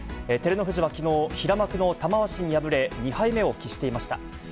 照ノ富士はきのう、平幕の玉鷲に敗れ、２敗目を喫していました。